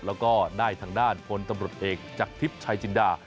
แล้วก็ได้ทางด้านพลตำรวจเอกจากทิพย์ชายจินดา